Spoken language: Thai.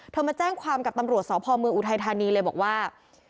มาแจ้งความกับตำรวจสพเมืองอุทัยธานีเลยบอกว่า